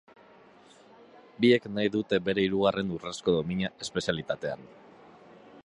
Biek nahi dute bere hirugarren urrezko domina espezialitatean.